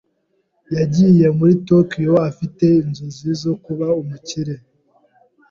Yagiye muri Tokiyo afite inzozi zo kuba umukire.